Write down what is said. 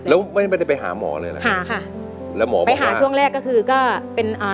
แล้วไม่ได้ไปหาหมอเลยล่ะค่ะแล้วหมอไปหาช่วงแรกก็คือก็เป็นอ่า